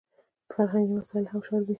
فرهنګي مسایل هم شاربي.